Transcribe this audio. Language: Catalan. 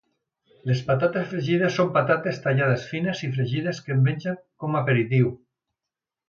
Les patates fregides són patates tallades fines i fregides que es mengen com a aperitiu